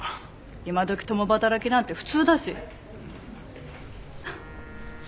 今どき共働きなんて普通だし。